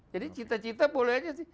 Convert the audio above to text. jadi cita cita bolehnya